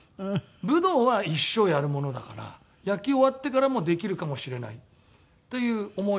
武道は一生やるものだから野球終わってからもできるかもしれないっていう思いの中。